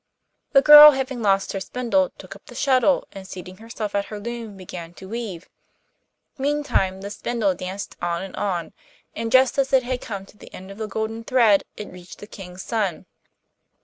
The girl, having lost her spindle, took up the shuttle and, seating herself at her loom, began to weave. Meantime the spindle danced on and on, and just as it had come to the end of the golden thread, it reached the King's son.